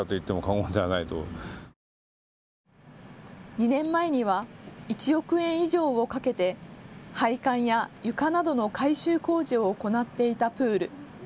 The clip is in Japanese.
２年前には１億円以上をかけて配管や床などの改修工事を行っていたプール。